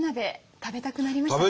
食べたくなりましたか？